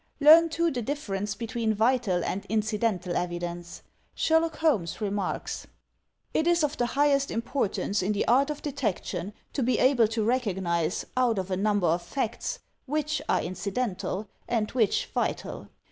Learn too, the difference between vital and incidental evidence. Sherlock Holmes remarks: It is of the highest importance in the art of detection to be able to recognize, out of a number of facts, which are incidental and which vital.